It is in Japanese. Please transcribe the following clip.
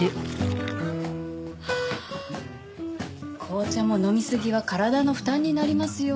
紅茶も飲みすぎは体の負担になりますよ。